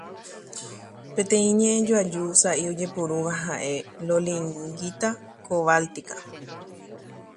Un sinónimo poco usado es el de "lollingita-cobáltica".